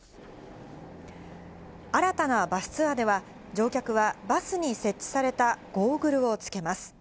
新たなバスツアーでは、乗客はバスに設置されたゴーグルを着けます。